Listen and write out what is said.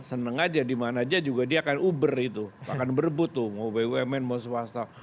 seneng aja dimana aja juga dia akan uber itu akan berebut tuh mau bumn mau swasta